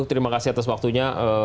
terima kasih atas waktunya